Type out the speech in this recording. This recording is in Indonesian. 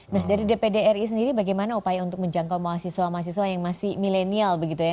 nah dari dpd ri sendiri bagaimana upaya untuk menjangkau mahasiswa mahasiswa yang masih milenial begitu ya